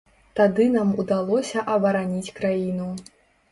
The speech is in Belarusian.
Тады нам удалося абараніць краіну.